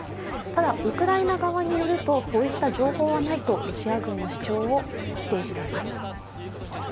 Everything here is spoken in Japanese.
ただ、ウクライナ側によるとそういった情報はないとロシア軍の主張を否定しています。